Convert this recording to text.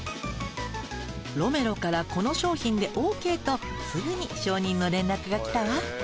ロメロからこの商品でＯＫとすぐに承認の連絡が来たわ。